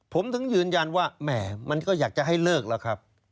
ผมถึงยืนยันว่าแหม่มันก็อยากจะให้เลิกแล้วครับ